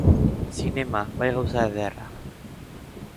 Zinema, bai gauza ederra!